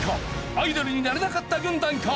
アイドルになれなかった軍団か？